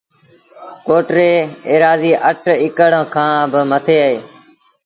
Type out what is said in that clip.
ڪوٽ ريٚ ايرآزيٚ اَٺ اڪڙ ڪآن با مٿي اهي